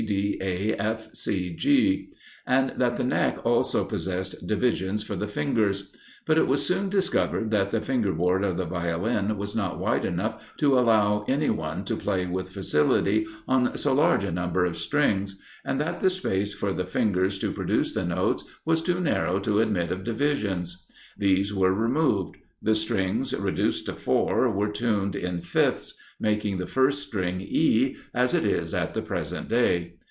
G, D, A, F, C, G; and that the neck also possessed divisions for the fingers; but it was soon discovered that the finger board of the Violin was not wide enough to allow any one to play with facility on so large a number of strings; and that the space for the fingers to produce the notes was too narrow to admit of divisions. These were removed; the strings, reduced to four, were tuned in fifths; making the first string E, as it is at the present day.